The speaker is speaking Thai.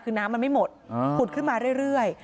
คือน้ำมันไม่หมดขุดขึ้นมาเรื่อย